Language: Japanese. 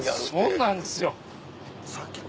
そうなんですよ。